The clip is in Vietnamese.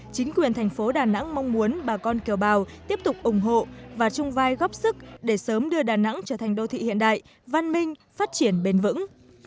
chính quyền thành phố đà nẵng mong muốn bà con kiều bào tiếp tục ủng hộ và chung vai góp sức để sớm đưa đà nẵng trở thành đô thị hiện đại văn minh phát triển bền vững